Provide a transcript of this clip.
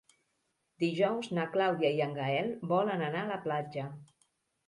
Dijous na Clàudia i en Gaël volen anar a la platja.